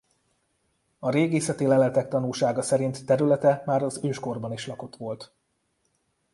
A régészeti leletek tanúsága szerint területe már az őskorban is lakott volt.